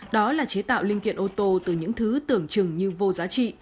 đó là chế tạo linh kiện ô tô từ những thứ tưởng chừng như vô giá trị